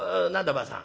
ばあさん。